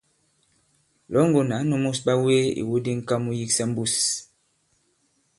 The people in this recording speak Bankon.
Lɔ̌ŋgòn ǎ nūmus ɓawee ìwu di ŋ̀ka mu yiksa mbus.